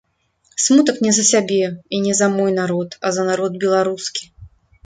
Смутак не за сябе і не за мой народ, а за народ беларускі.